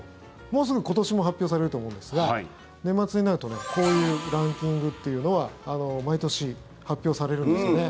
もうすぐ今年も発表されると思うんですが年末になるとこういうランキングというのは毎年発表されるんですよね。